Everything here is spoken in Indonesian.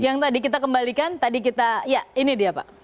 yang tadi kita kembalikan tadi kita ya ini dia pak